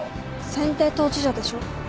選定当事者でしょ。